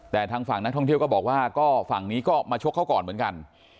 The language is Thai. แต่ทางฝั่งนักท่องเที่ยวก็บอกว่าก็ฝั่งนี้ก็มาชกเขาก่อนเหมือนกัน